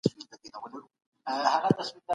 واکسین د ویروس ضعیف یا وژل شوی ډول وي.